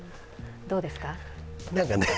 どうですか。